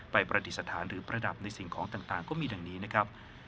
ปฏิสถานหรือประดับในสิ่งของต่างก็มีดังนี้นะครับ